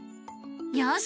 よし！